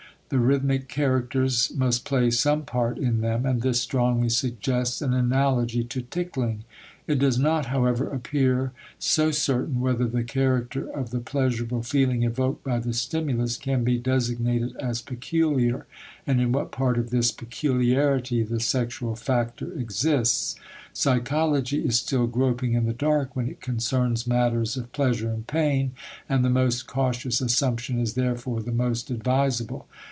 The rhythmic characters must play some part in them and this strongly suggests an analogy to tickling. It does not, however, appear so certain whether the character of the pleasurable feeling evoked by the stimulus can be designated as "peculiar," and in what part of this peculiarity the sexual factor exists. Psychology is still groping in the dark when it concerns matters of pleasure and pain, and the most cautious assumption is therefore the most advisable.